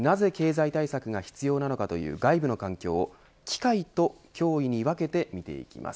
さらに、なぜ経済対策が必要なのかという外部の環境を機会と脅威に分けて見ていきます。